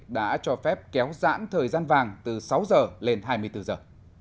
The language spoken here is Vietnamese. đã cho phép kéo dãn thời gian vàng từ sáu giờ lên hai mươi bốn giờ